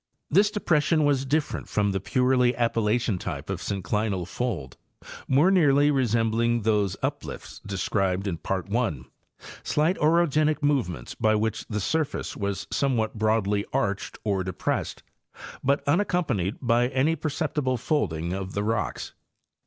This depres sion was different from the purely Appalachian type of synclinal fold, more nearly resembling those uplifts described in Part I— slight orogenic movements by which the surface was somewhat broadly arched or depressed, but unaccompanied by any per ceptible folding of the rocks.